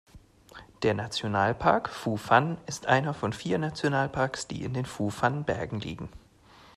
Der Nationalpark Phu Phan ist einer von vier Nationalparks, die in den Phu-Phan-Bergen liegen.